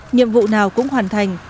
nhiệm vụ nào cũng hoàn thành